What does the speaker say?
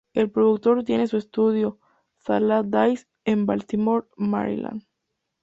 El productor tiene su estudio, Salad Days, en Baltimore, Maryland.